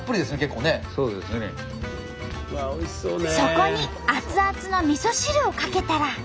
そこに熱々のみそ汁をかけたら。